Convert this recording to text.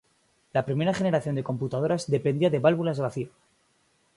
La primera generación de computadoras dependía de válvulas de vacío.